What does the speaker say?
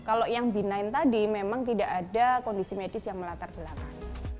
kalau yang b sembilan tadi memang tidak ada kondisi medis yang melatar belakang